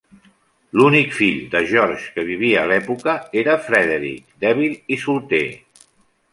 L'únic fill de George que vivia a l'època era Frederick, dèbil i solter.